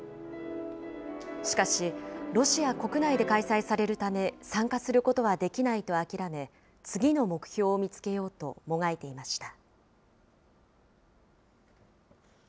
しかし、ロシア国内で開催されるため参加することはできないとあきらめ、次の目標を見つけようともがいていました。